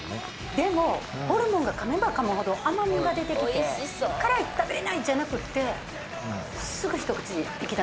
でもホルモンが噛めば噛むほど甘みが出てきて「辛い食べれない！」じゃなくってすぐひと口いきた